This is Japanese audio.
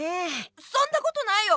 そんなことないよ